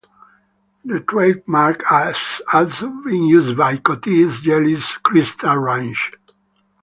The trademark as also been used by Cottee's jelly crystal range.